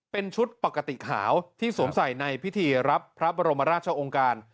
เป็นชุดปกติขาวที่สวมใส่ในพิธีรับพระบรมราชองค์การ